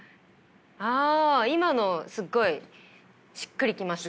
あ今のすっごいしっくり来ました。